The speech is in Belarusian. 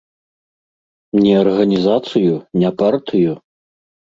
Не арганізацыю, не партыю?